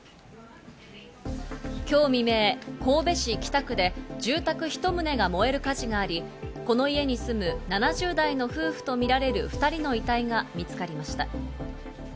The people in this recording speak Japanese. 今日未明、神戸市北区で住宅１棟が燃える火事があり、この家に住む７０代の夫婦とみられる２人の遺体が見つかりました。